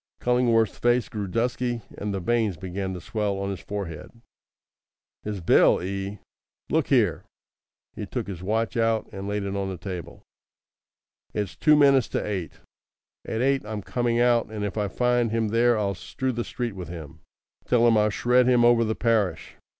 Cullingworth's face grew dusky, and the veins began to swell on his forehead. "His bill, eh! Look here!" He took his watch out and laid it on the table. "It's two minutes to eight. At eight I'm coming out, and if I find him there I'll strew the street with him. Tell him I'll shred him over the parish.